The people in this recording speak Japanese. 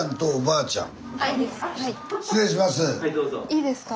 いいですか？